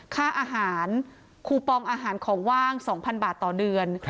ค่าอาหารคูปองอาหารของว่าง๒๐๐บาทต่อเดือน